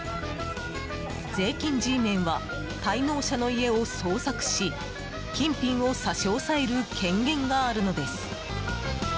税金Ｇメンは滞納者の家を捜索し金品を差し押さえる権限があるのです。